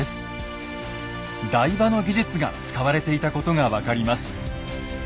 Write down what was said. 台場の技術が使われていたことが分かります。